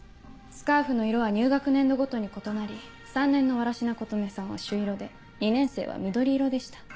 スカーフの色は入学年度ごとに異なり３年の藁科琴音さんは朱色で２年生は緑色でした。